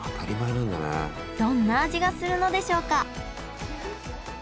どんな味がするのでしょうか？